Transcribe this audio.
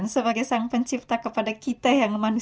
melalui telpon atau sms di